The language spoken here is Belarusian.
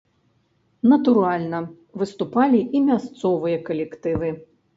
Натуральна, выступалі і мясцовыя калектывы.